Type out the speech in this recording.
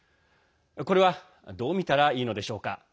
これはどう見たらいいのでしょうか。